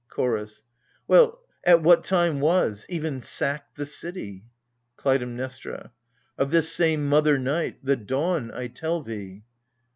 CHOROS. Well, at what time was — even sacked, the city ? KLUTAIMNESTRA. Of this same mother Night — the dawn, I tell thee.